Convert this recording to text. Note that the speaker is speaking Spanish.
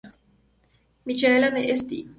Michael and St.